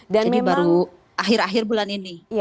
jadi baru akhir akhir bulan ini